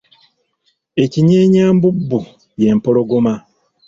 Ekinyeenyambubbu ye mpologoma.